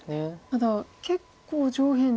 ただ結構上辺。